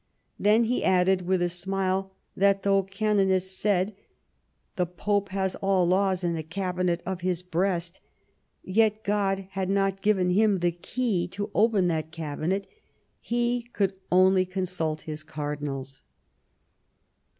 Then he added, with a smile, that though canonists said "the Pope has all laws in the cabinet of his breast," yet Grod had not given him the key to open that cabinet ; he could only consult his cardinals.